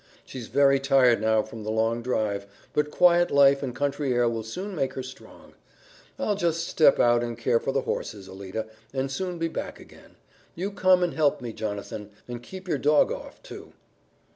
She's very tired now from the long drive, but quiet life and country air will soon make her strong. I'll just step out and care for the horses, Alida, and soon be back again. You come and help me, Jonathan, and keep your dog off, too."